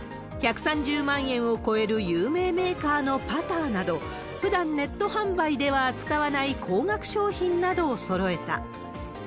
１３０万円を超える有名メーカーのパターなど、ふだんネット販売では扱わない高額商品などをそろえた。